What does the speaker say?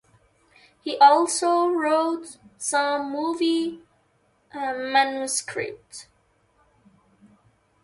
He also wrote some movie manuscripts.